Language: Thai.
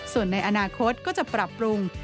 ส่วนในอนาคตก็จะปรับปรุง